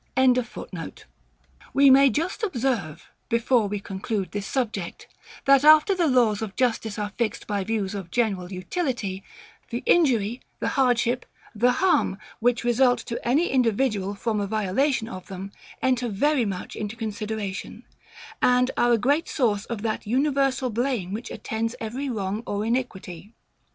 ] We may just observe, before we conclude this subject, that after the laws of justice are fixed by views of general utility, the injury, the hardship, the harm, which result to any individual from a violation of them, enter very much into consideration, and are a great source of that universal blame which attends every wrong or iniquity.